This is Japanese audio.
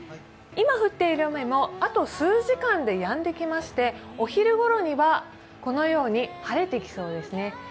今降っている雨も、あと数時間でやんできましてお昼ごろにはこのように晴れてきそうですね。